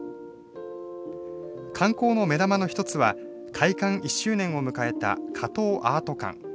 観光の目玉の１つは開館１周年を迎えた加東アート館。